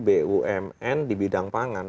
bumn di bidang pangan